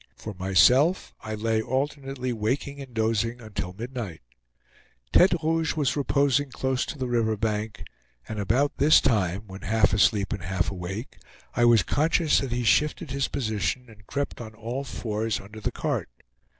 For myself, I lay alternately waking and dozing until midnight. Tete Rouge was reposing close to the river bank, and about this time, when half asleep and half awake, I was conscious that he shifted his position and crept on all fours under the cart.